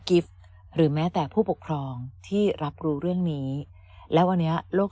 กิฟต์หรือแม้แต่ผู้ปกครองที่รับรู้เรื่องนี้และวันนี้โลก